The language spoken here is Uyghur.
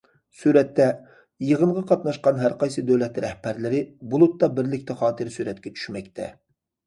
سۈرەتتە: يىغىنغا قاتناشقان ھەرقايسى دۆلەت رەھبەرلىرى« بۇلۇتتا بىرلىكتە خاتىرە سۈرەتكە چۈشمەكتە».